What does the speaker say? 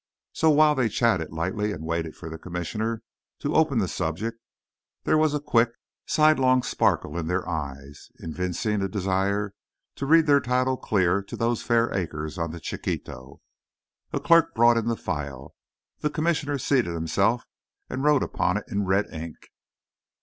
So, while they chatted lightly and waited for the Commissioner to open the subject, there was a quick, sidelong sparkle in their eyes, evincing a desire to read their title clear to those fair acres on the Chiquito. A clerk brought in the file. The Commissioner seated himself and wrote upon it in red ink.